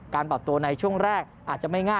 ปรับตัวในช่วงแรกอาจจะไม่ง่าย